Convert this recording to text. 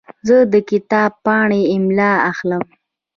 زه د کتاب پاڼې املا اخلم.